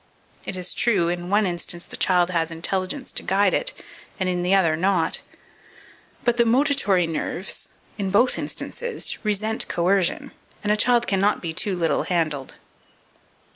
It is true, in one instance the child has intelligence to guide it, and in the other not; but the motitory nerves, in both instances, resent coercion, and a child cannot be too little handled.